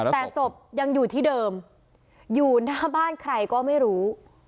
แต่ศพยังอยู่ที่เดิมอยู่หน้าบ้านใครก็ไม่รู้